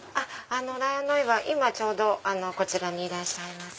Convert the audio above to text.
ライオンの絵は今ちょうどこちらにいらっしゃいます。